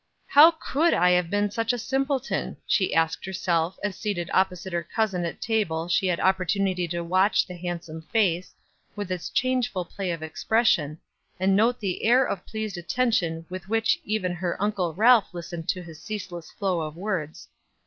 "How could I have been such a simpleton?" she asked herself as seated opposite her cousin at table she had opportunity to watch the handsome face, with its changeful play of expression, and note the air of pleased attention with which even her Uncle Ralph listened to his ceaseless flow of words.